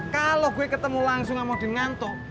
kalau gue ketemu langsung sama udin ngantuk